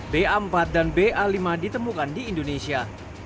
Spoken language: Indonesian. ba empat dan ba lima ditemukan di indonesia